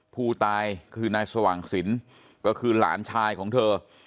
ผู้ตายคือนายสว่างสินก็คือหลานชายของเธอ